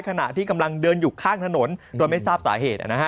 ขณะที่กำลังเดินอยู่ข้างถนนโดยไม่ทราบสาเหตุ